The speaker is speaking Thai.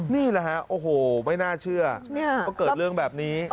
นี่แหละฮะโอ้โหไม่น่าเชื่อว่าเกิดเรื่องแบบนี้